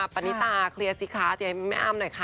ปณิตาเคลียร์สิคะให้แม่อ้ามหน่อยค่ะ